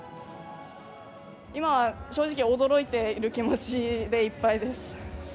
今は正直驚いている気持ちでいっぱいです。